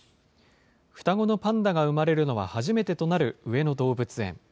双子のパンダが産まれるのは初めてとなる上野動物園。